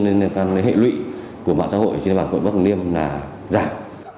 liên quan đến hệ lụy của mạng xã hội trên mạng quận bắc hồng liêm là giảm